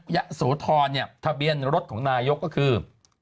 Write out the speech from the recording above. อย่าสวทรทะเบียนรถของนายกก็คือ